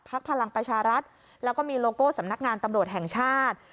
พลังประชารัฐแล้วก็มีโลโก้สำนักงานตำรวจแห่งชาติ